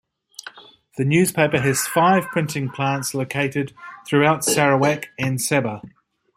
The newspaper has five printing plants located throughout Sarawak and Sabah.